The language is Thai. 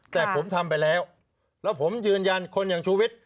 แต่ผมทำไปแล้วแล้วผมยืนยันคนอย่างชูวิทย์